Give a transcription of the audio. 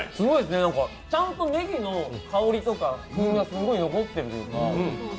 ちゃんとねぎの香りとか風味が残っているとか。